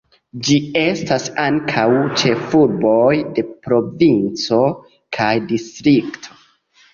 Ĝi estas ankaŭ ĉefurboj de provinco kaj distrikto.